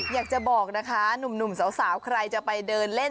อยากจะบอกนะคะหนุ่มสาวใครจะไปเดินเล่น